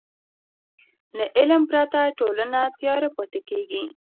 له علم پرته ټولنه تیاره پاتې کېږي.